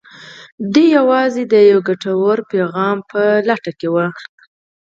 دوی يوازې د يوه ګټور پيغام په لټه کې وي.